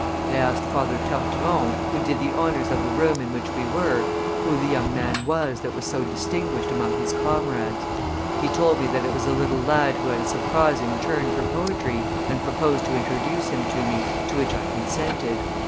I asked Father Tarteron, who did the honors of the room in which we were, who the young man was that was so distinguished amongst his comrades. He told me that it was a little lad who had a surprising turn for poetry, and proposed to introduce him to me; to which I consented.